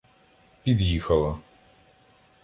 Під’їхала.